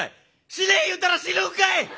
死ね言うたら死ぬんかい！